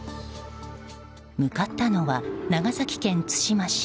向かったのは長崎県対馬市。